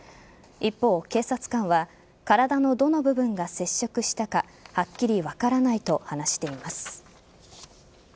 一方、警察官は体のどの部分が接触したかはっきり分からないと話しています。